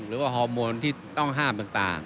หรือว่าฮอร์โมนที่ต้องห้ามต่าง